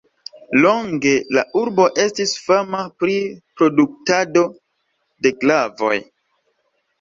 Longe la urbo estis fama pri produktado de glavoj.